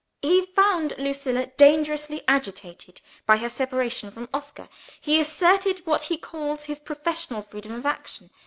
"He found Lucilla dangerously agitated by her separation from Oscar: he asserted, what he calls, his professional freedom of action."